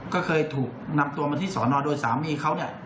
ก็เคยถูกนำตัวมาที่สอนอโดยสามีเขาเนี่ย